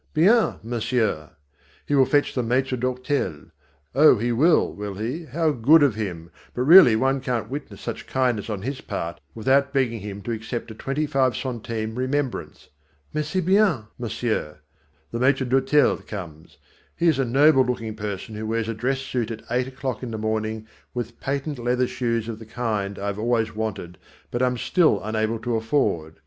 "Bien, monsieur!" He will fetch the maître d'hôtel. Oh, he will, will he, how good of him, but really one can't witness such kindness on his part without begging him to accept a twenty five centime remembrance. "Merci bien, monsieur." The maître d'hôtel comes. He is a noble looking person who wears a dress suit at eight o'clock in the morning with patent leather shoes of the kind that I have always wanted but am still unable to afford.